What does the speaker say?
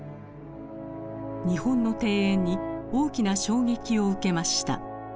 日本の庭園に大きな衝撃を受けました。